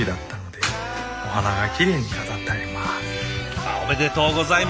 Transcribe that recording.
あっおめでとうございます。